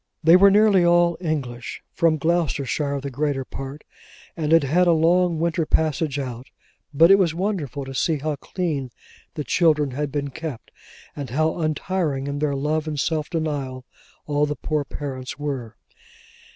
They were nearly all English; from Gloucestershire the greater part; and had had a long winter passage out; but it was wonderful to see how clean the children had been kept, and how untiring in their love and self denial all the poor parents were.